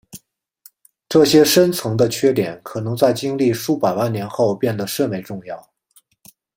这些深层的缺点可能在经历数百万年后变得甚为重要。